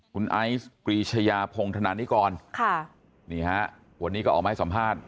คุณไอร์ด์กรีชยาภงถนั่นที่กรวันนี้ก็ออกมาให้สัมภาษณ์